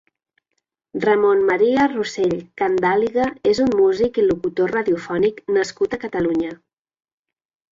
Ramon Maria Rosell Candàliga és un músic i locutor radiofònic nascut a Catalunya.